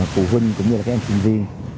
phụ huynh cũng như là các em sinh viên